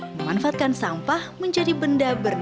memanfaatkan sampah ini sampah ini akan menjadi harta yang berharga